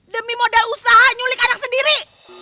demi modal usaha nyulik anak sendiri